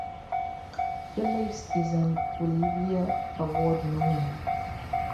Phillips is an Olivier Award nominee.